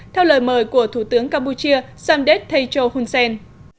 theo lời mời của thủ tướng campuchia samdet thecho hunsen